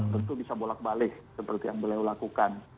tentu bisa bolak balik seperti yang beliau lakukan